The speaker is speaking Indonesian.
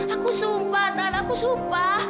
aku sumpah tan aku sumpah